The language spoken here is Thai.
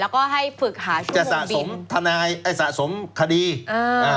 แล้วก็ให้ฝึกหาชั่วโมงบินจะสะสมทนายเอ่ยสะสมคดีอ่า